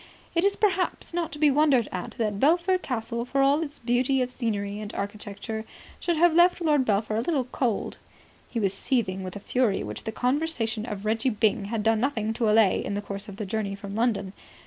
It is perhaps not to be wondered at that Belpher Castle, for all its beauty of scenery and architecture, should have left Lord Belpher a little cold. He was seething with a fury which the conversation of Reggie Byng had done nothing to allay in the course of the journey from London.